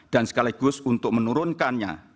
dan sekaligus untuk menurunkannya